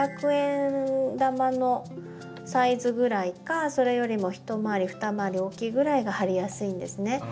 ５００円玉のサイズぐらいかそれよりも一回り二回り大きいぐらいが張りやすいんですね。